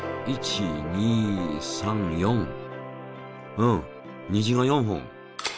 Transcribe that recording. うん虹が４本。